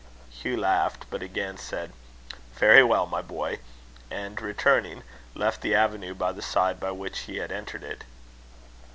Hugh laughed; but again said, "Very well, my boy;" and, returning, left the avenue by the side by which he had entered it.